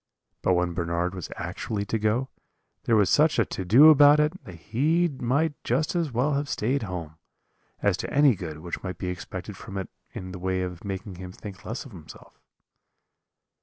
"But when Bernard was actually to go, there was such a to do about it, that he might just as well have stayed at home, as to any good which might be expected from it in the way of making him think less of himself.